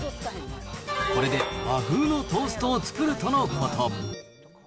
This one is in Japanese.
これで和風のトーストを作るとのこと。